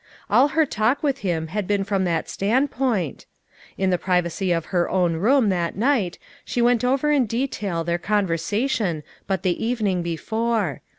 All her talk with him had been from that stand point In the privacy of her own room that night she went over in detail their conversa tion but the evening before.